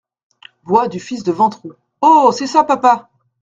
Voix du fils de Ventroux .— Oh ! c’est ça, papa !